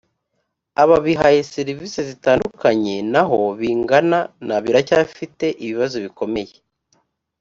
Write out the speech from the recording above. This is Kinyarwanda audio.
ababihaye serivisi zitandukanye naho bingana na biracyafite ibibazo bikomeye